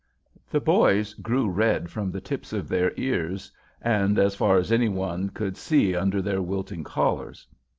The boys grew red from the tips of their ears, and as far as any one could see under their wilting collars.